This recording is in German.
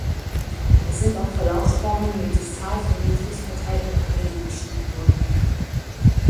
Es sind auch Verlaufsformen mit distal-symmetrisch verteilten Paresen beschrieben worden.